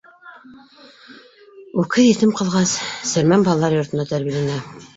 Үкһеҙ етем ҡалғас, Сермән балалар йортонда тәрбиәләнә.